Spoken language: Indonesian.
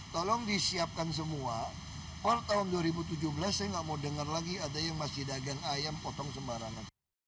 tolong disiapkan semua per tahun dua ribu tujuh belas saya nggak mau dengar lagi ada yang masih dagang ayam potong sembarangan